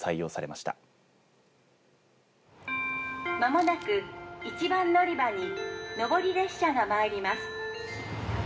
まもなく１番乗り場に上り列車がまいります。